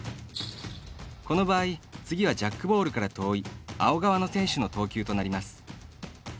この場合、次はジャックボールから遠い青側の選手の投球となります。